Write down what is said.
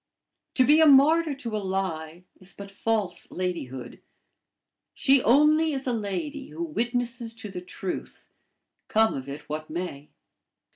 To be a martyr to a lie is but false ladyhood. She only is a lady who witnesses to the truth, come of it what may.